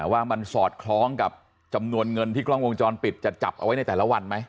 ว่ามันสอดคล้องกับจำนวนเงินที่กล้องวงจรปิดจะจับเอาไว้ในแต่ละวันไหม